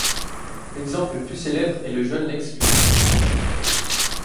L’exemple le plus célèbre en est le jeune Lex Luthor.